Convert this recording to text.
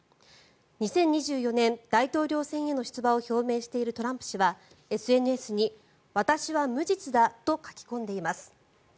２０２４年、大統領選への出馬を表明しているトランプ氏はＳＮＳに、私は無実だと書き込んでいます。